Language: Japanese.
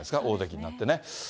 大関になってね。